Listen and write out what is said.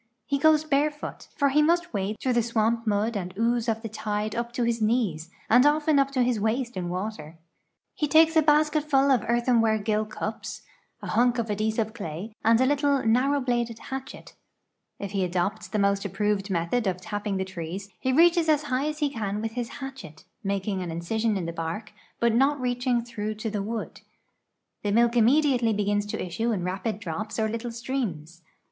He goes bare foot, for he must wade through the swamp mud and ooze of the tide U}) to his knees, and often up to his waist in water. He 83 84 RUBBER FORESTS OF NICARAGUA AND SIERRA LEONE takes a basketful of earthenware gill cups, a liunk of adliesive cla}'', and a little, narrow bladed hatchet. " If he adopts the most approved method of tapping the trees, he reaches as high as he can with his hatchet, making an incision in the bark, but not reaching through to the wood. The milk immediately begins to issue in rapid drops or little streams.